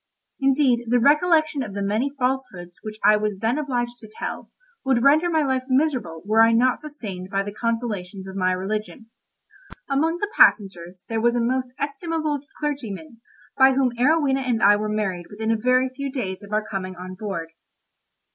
Indeed, the recollection of the many falsehoods which I was then obliged to tell, would render my life miserable were I not sustained by the consolations of my religion. Among the passengers there was a most estimable clergyman, by whom Arowhena and I were married within a very few days of our coming on board.